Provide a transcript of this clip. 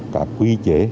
các quy chế